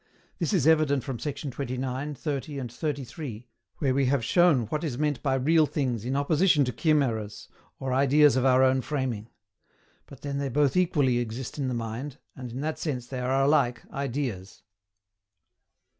This is evident from sect. 29, 30, and 33, where we have shown what is meant by REAL THINGS in opposition to CHIMERAS or ideas of our own framing; but then they both equally exist in the mind, and in that sense they are alike IDEAS.